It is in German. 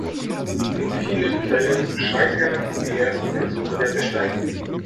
In vielen Fällen scheitern die ersten Versuche der Besteigung.